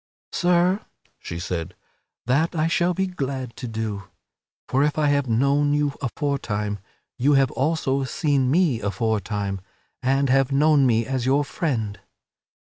"Sir," she said, "that I shall be glad to do; for if I have known you aforetime, you have also seen me afore time and have known me as your friend."